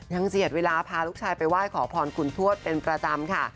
เสียดเวลาพาลูกชายไปไหว้ขอพรคุณทวดเป็นประจำค่ะ